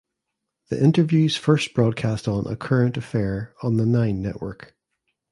The interviews first broadcast on "A Current Affair" on the Nine Network.